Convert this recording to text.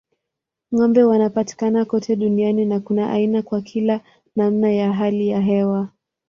Ng'ombe wanapatikana kote duniani na kuna aina kwa kila namna ya hali ya hewa.